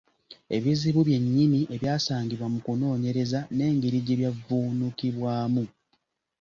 Ebizibu byennyini ebyasangibwa mu kunoonyereza n’engeri gye byavvuunukibwamu.